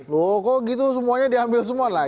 loh kok gitu semuanya diambil semua lah